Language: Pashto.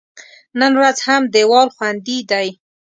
نن ورځ هم دیوال خوندي دی.